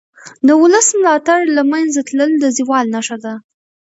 د ولس ملاتړ له منځه تلل د زوال نښه ده